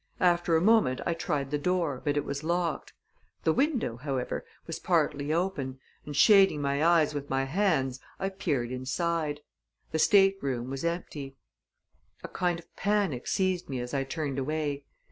After a moment, I tried the door, but it was locked. The window, however, was partly open, and, shading my eyes with my hands, I peered inside. The stateroom was empty. A kind of panic seized me as I turned away.